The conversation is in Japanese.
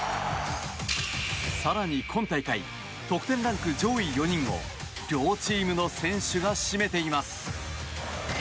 更に今大会得点ランク上位４人を両チームの選手が占めています。